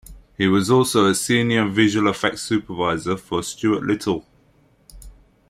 He was also Senior Visual Effects Supervisor for "Stuart Little".